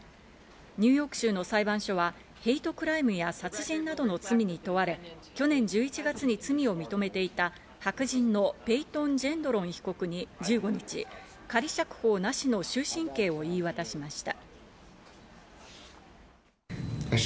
ニューヨーク州の裁判所はヘイトクライムや殺人などの罪に問われ、去年１１月に罪を認めていた白人のペイトン・ジェンドロン被告に１５日、仮釈放なしの終身刑を言い渡しました。